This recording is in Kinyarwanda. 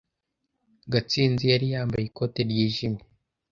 Gatsinzi yari yambaye ikote ryijimye.